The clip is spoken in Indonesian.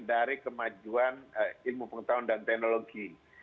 dari kemajuan ilmu pengetahuan dan teknologi